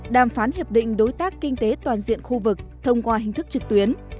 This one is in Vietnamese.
đàm phán hiệp định đối tác kinh tế toàn diện khu vực thông qua hình thức trực tuyến